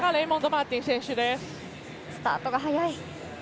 スタートが速い。